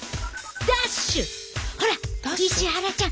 ほら石原ちゃん！